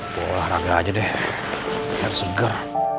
bolah raga aja deh biar seger